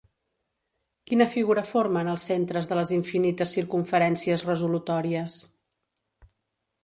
Quina figura formen els centres de les infinites circumferències resolutòries?